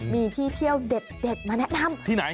มีที่เที่ยวเด็ดมาแนะนำที่ไหน